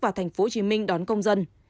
vào thành phố hồ chí minh đón công dân